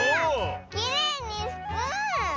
きれいにスプーン！